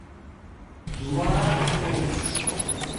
دُعاڎ کوٹ